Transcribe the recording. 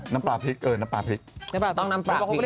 น้ำปลาพริกน้ำปลาพริกเออน้ำปลาพริก